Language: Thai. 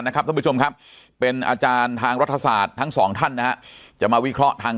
ท่านผู้ชมครับเป็นอาจารย์ทางรัฐศาสตร์ทั้งสองท่านนะฮะจะมาวิเคราะห์ทาง